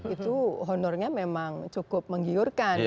itu honornya memang cukup menggiurkan